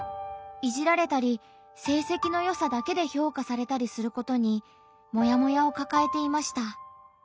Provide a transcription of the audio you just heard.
いじられたり成績のよさだけで評価されたりすることにモヤモヤをかかえていました。